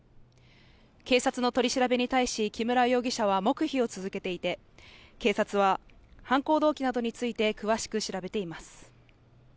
警察の取り調べに対し木村容疑者は黙秘を続けていて、警察は犯行動機などについて詳しく調べています。